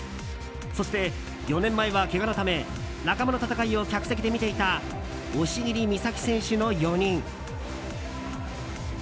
そして４年前はけがのため仲間の戦いを客席で見ていた押切美沙紀選手の４人。